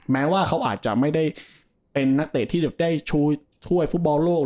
แม้ว่าเขาอาจจะไม่ได้เป็นนักเตะที่ได้ชูถ้วยฟุตบอลโลก